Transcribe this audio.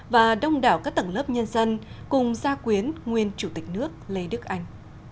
và đông đảo các tầng lớp nhân dân cùng gia quyến nguyên chủ tịch nước lê đức anh